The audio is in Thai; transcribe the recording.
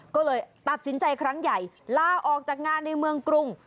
ก็เลยตัดสินใจครั้งใหญ่ลาออกจากงานในเมืองกรุง